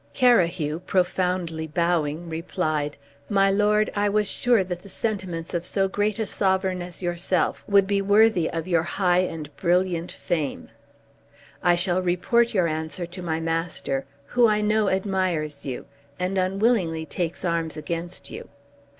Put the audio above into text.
Carahue, profoundly bowing, replied, "My lord, I was sure that the sentiments of so great a sovereign as yourself would be worthy of your high and brilliant fame; I shall report your answer to my master, who I know admires you, and unwillingly takes arms against you."